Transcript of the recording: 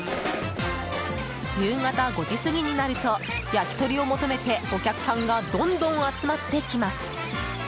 夕方５時過ぎになると焼き鳥を求めてお客さんがどんどん集まってきます。